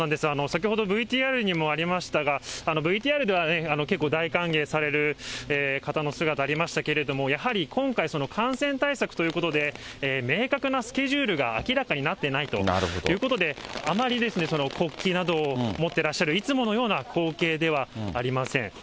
先ほどＶＴＲにもありましたが、ＶＴＲでは結構、大歓迎される方の姿ありましたけど、やはり今回、感染対策ということで、明確なスケジュールが明らかになってないということで、あまり国旗などを持ってらっしゃる、いつものような光景ではありません。